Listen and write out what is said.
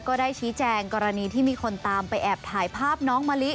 ก็ได้ชี้แจงกรณีที่มีคนตามไปแอบถ่ายภาพน้องมะลิ